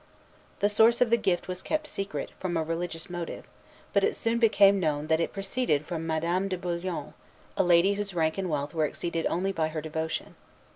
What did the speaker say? The source of the gift was kept secret, from a religious motive; but it soon became known that it proceeded from Madame de Bullion, a lady whose rank and wealth were exceeded only by her devotion.